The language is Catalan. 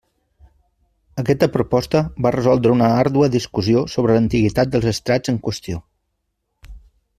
Aquesta proposta va resoldre una àrdua discussió sobre l'antiguitat dels estrats en qüestió.